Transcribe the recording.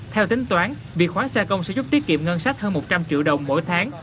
theo tính toán việc khoán xe công sẽ giúp tiết kiệm ngân sách hơn một trăm linh triệu đồng mỗi tháng